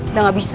udah nggak bisa